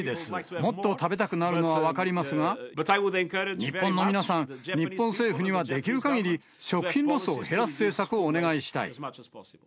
もっと食べたくなるのは分かりますが、日本の皆さん、日本政府にはできるかぎり、食品ロスを減らす政策をお願いしたい。